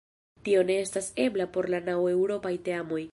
Tio ne estas ebla por la naŭ eŭropaj teamoj.